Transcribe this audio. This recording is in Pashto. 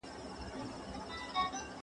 هغه په احتیاط له سړکه تېر شو.